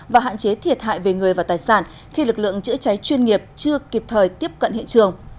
và hạn chế thiệt hại về người và tài sản khi lực lượng chữa cháy chuyên nghiệp chưa kịp thời tiếp cận hiện trường